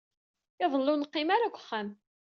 Iḍelli ur neqqim ara deg uxxam.